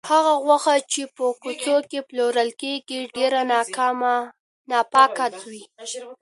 هغه غوښه چې په کوڅو کې پلورل کیږي، ډېره ناپاکه وي.